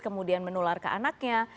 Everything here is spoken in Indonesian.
kemudian menular ke anaknya